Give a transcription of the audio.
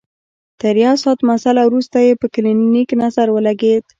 تر يو ساعت مزله وروسته يې په کلينيک نظر ولګېد.